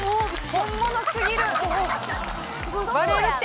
本物すぎる！